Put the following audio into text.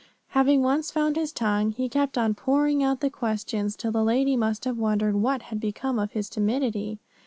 Having once found his tongue, he kept on pouring out the questions till the lady must have wondered what had become of his timidity.